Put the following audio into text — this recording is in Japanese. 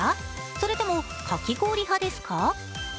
それともかき氷派ですか？